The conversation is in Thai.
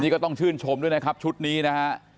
ก็ต้องชื่นชมด้วยนะครับชุดนี้นะฮะ